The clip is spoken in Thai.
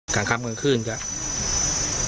ก่อนข้ามกลางคืน